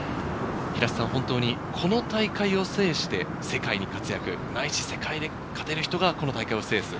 本当にこの大会を制して、世界で活躍、ないし世界で勝てる人がこの大会を制する。